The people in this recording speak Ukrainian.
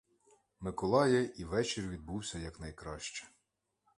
Миколая, і вечір відбувся якнайкраще.